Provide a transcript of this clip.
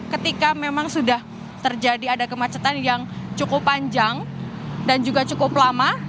ketika memang sudah terjadi ada kemacetan yang cukup panjang dan juga cukup lama